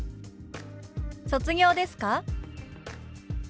「卒業ですか？」。